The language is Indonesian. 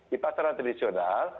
di pasar tradisional